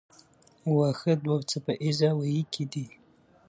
واښه دوه څپه ایزه وییکي دي.